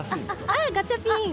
ガチャピン！